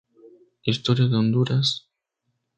Historia de Honduras.